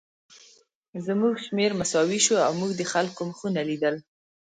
زموږ شمېر مساوي شو او موږ د خلکو مخونه لیدل